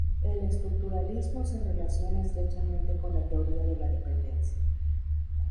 El estructuralismo se relaciona estrechamente con la Teoría de la Dependencia.